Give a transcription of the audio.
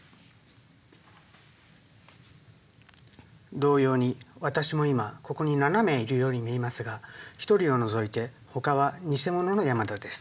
同様に私も今ここに７名いるように見えますが一人を除いてほかはニセモノの山田です。